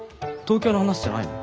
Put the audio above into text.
東京の話じゃないの？